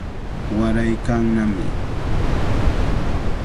Waraykannami.